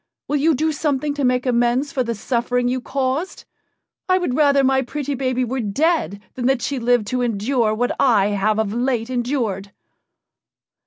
Will you do something to make amends for the suffering you caused? I would rather my pretty baby were dead than that she lived to endure what I have of late endured."